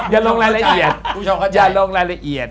อย่าลงรายละเอียด